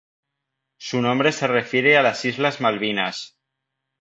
Su nombre se refiere a las Islas Malvinas.